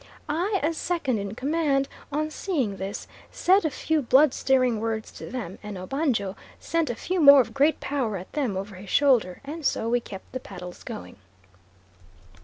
I, as second in command, on seeing this, said a few blood stirring words to them, and Obanjo sent a few more of great power at them over his shoulder, and so we kept the paddles going.